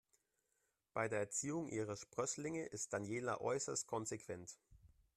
Bei der Erziehung ihrer Sprösslinge ist Daniela äußerst konsequent.